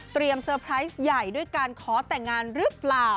เซอร์ไพรส์ใหญ่ด้วยการขอแต่งงานหรือเปล่า